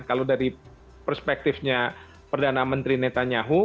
kalau dari perspektifnya perdana menteri netanyahu